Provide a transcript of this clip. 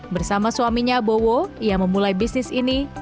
bersama suaminya bowo yang memulai bisnis ini